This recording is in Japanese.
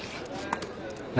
何？